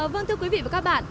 vâng thưa quý vị và các bạn